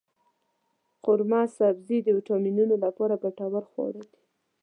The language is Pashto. قورمه سبزي د ویټامینونو لپاره ګټور خواړه دی.